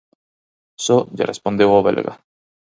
Só lle respondeu o belga.